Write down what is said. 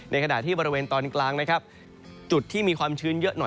ขณะที่บริเวณตอนกลางนะครับจุดที่มีความชื้นเยอะหน่อย